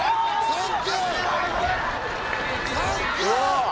サンキュー！